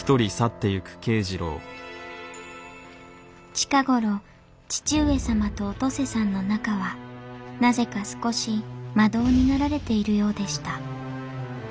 近ごろ義父上様とお登世さんの仲はなぜか少し間遠になられているようでした。